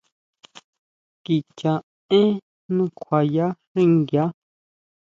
Kicha én nukjuaya xinguia.